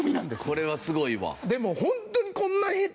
これはすごいわ。